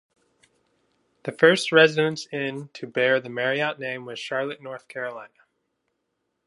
The first Residence Inn to bear the Marriott name was in Charlotte, North Carolina.